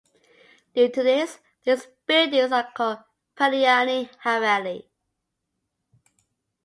Due to this, these buildings are called Purani Haveli.